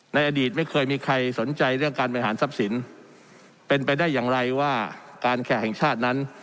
ในอดีตไม่เคยมีใครสนใจเรื่องการบริหารทรัพย์สินเป็นไปได้อย่างไรว่าการแขกแห่งชาตินั้น